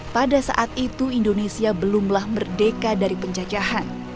pada saat itu indonesia belumlah merdeka dari penjajahan